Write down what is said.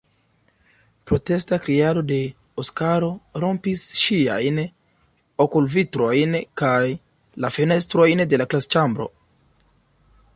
Protesta kriado de Oskaro rompis ŝiajn okulvitrojn kaj la fenestrojn de la klasĉambro.